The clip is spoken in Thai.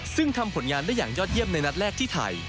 ซึ่งทำผลงานได้อย่างยอดเยี่ยมในนัดแรกที่ไทย